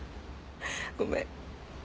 ごめん。